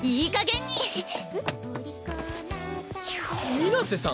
水瀬さん？